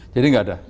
jadi enggak ada